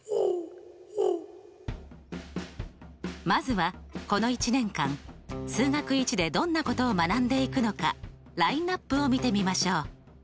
まずはこの一年間数学Ⅰでどんなことを学んでいくのかラインナップを見てみましょう。